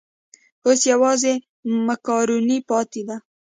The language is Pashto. اوس یوازې مېکاروني پاتې ده.